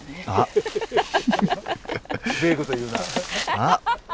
あっ！